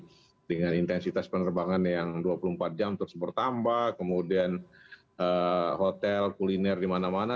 jadi dengan intensitas penerbangan yang dua puluh empat jam terus bertambah kemudian hotel kuliner di mana mana